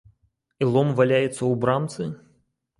І лом валяецца ў брамцы?